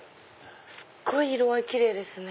すっごい色合い奇麗ですね。